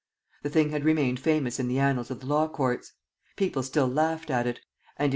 The thing had remained famous in the annals of the law courts. People still laughed at it; and in M.